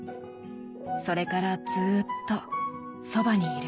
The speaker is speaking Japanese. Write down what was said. それからずっとそばにいる。